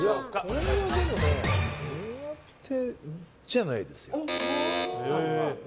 これは、じゃないですよ。